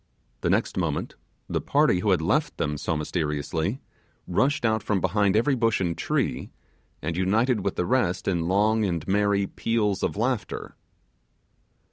The next moment, the party who had left them so mysteriously rushed out from behind every bush and tree, and united with the rest in long and merry peals of laughter.